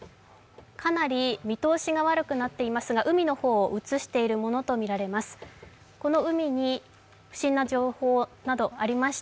かなり見通しが悪くなっていますが海の方を映しているものとみられます。